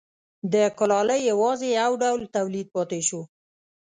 د کولالۍ یوازې یو ډول تولید پاتې شو